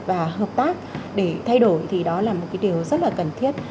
và hợp tác để thay đổi thì đó là một cái điều rất là cần thiết